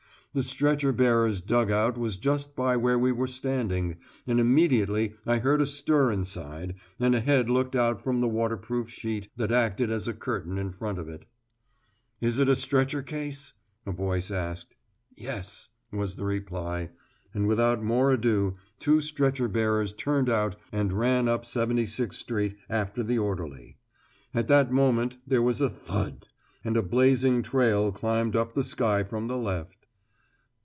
The stretcher bearers' dug out was just by where we were standing, and immediately I heard a stir inside, and a head looked out from the waterproof sheet that acted as curtain in front of it. "Is it a stretcher case?" a voice asked. "Yes," was the reply, and without more ado two stretcher bearers turned out and ran up 76 Street after the orderly. At that moment there was a thud, and a blazing trail climbed up the sky from the left.